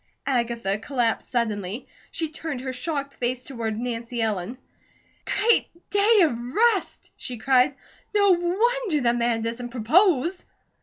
Agatha collapsed suddenly. She turned her shocked face toward Nancy Ellen. "Great Day of Rest!" she cried. "No wonder the man doesn't propose!"